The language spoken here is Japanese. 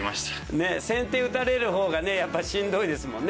ねっ先手を打たれるほうがねやっぱしんどいですもんね。